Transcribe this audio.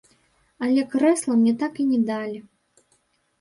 Але крэсла мне так і не далі.